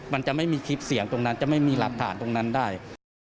มันจะไม่มีคลิปเสียงตรงนั้นจะไม่มีหลักฐานตรงนั้นได้